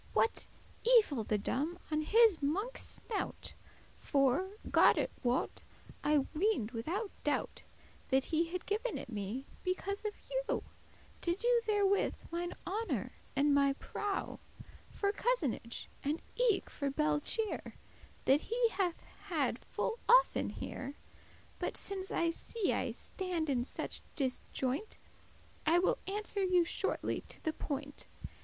— What? evil thedom* on his monke's snout! — *thriving For, God it wot, I ween'd withoute doubt That he had given it me, because of you, To do therewith mine honour and my prow,* *profit For cousinage, and eke for belle cheer That he hath had full often here. But since I see I stand in such disjoint,* *awkward position I will answer you shortly to the point.